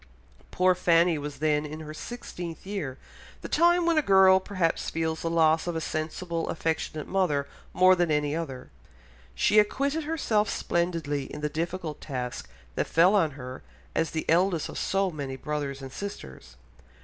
Poor Fanny was then in her sixteenth year, the time when a girl perhaps feels the loss of a sensible, affectionate mother more than any other. She acquitted herself splendidly in the difficult task that fell on her as the eldest of so many brothers and sisters.